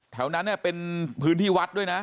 แถวนั้นเป็นพื้นที่วัดด้วยนะ